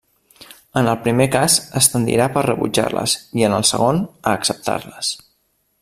En el primer cas, es tendirà per rebutjar-les, i en el segon a acceptar-les.